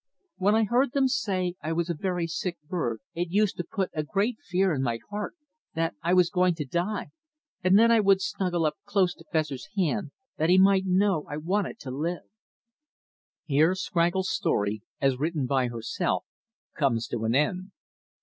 When I heard them say I was a very sick bird it used to put a great fear in my heart that I was going to die, and then I would snuggle up close to Fessor's hand that he might know I wanted to live. Here Scraggles' story as written by herself comes to an end.